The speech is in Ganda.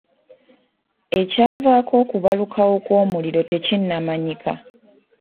Ekyavaako okubalukawo kw'omuliro tekinnamanyika.